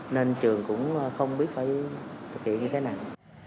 nên trường cũng không biết phải thực hiện như thế này